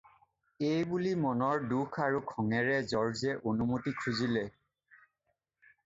এই বুলি মনৰ দুখ আৰু খঙেৰে জৰ্জে অনুমতি খুজিলে।